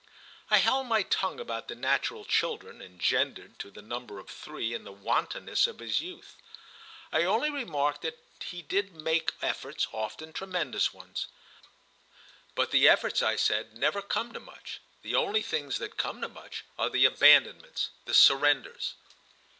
I held my tongue about the natural children, engendered, to the number of three, in the wantonness of his youth. I only remarked that he did make efforts—often tremendous ones. "But the efforts," I said, "never come to much: the only things that come to much are the abandonments, the surrenders."